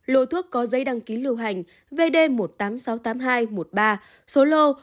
lô thuốc có dây đăng ký lưu hành vd một triệu tám trăm sáu mươi tám nghìn hai trăm một mươi ba số lô ba mươi nghìn năm trăm hai mươi ba